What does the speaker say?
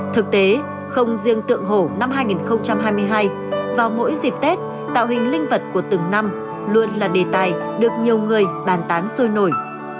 thực tế không riêng tượng hổ năm hai nghìn hai mươi hai vào mỗi dịp tết tạo hình linh vật của từng năm luôn là đề tài được nhiều người bàn tán sôi nổi